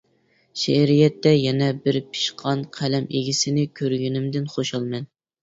شېئىرىيەتتە يەنە بىر پىشقان قەلەم ئىگىسىنى كۆرگىنىمدىن خۇشالمەن.